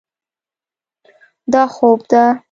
دا خوب ده.